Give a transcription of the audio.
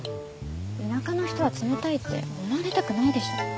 田舎の人は冷たいって思われたくないでしょ？